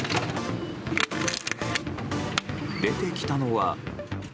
出てきたのは。